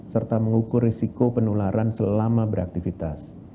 serta mengukur risiko penularan selama beraktivitas